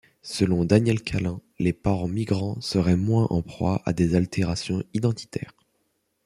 Selon Daniel Calin, les parents migrants seraient moins en proie à des altérations identitaires.